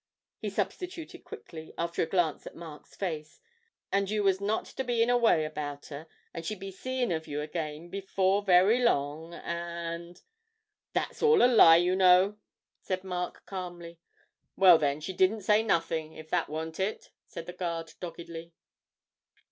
he substituted quickly, after a glance at Mark's face, 'and you was not to be in a way about her, and she'd be seein' of you again before very long, and ' 'That's all a lie, you know,' said Mark, calmly. 'Well, then, she didn't say nothing, if that warn't it,' said the guard, doggedly.